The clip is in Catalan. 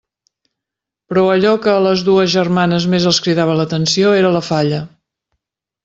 Però allò que a les dues germanes més els cridava l'atenció era la falla.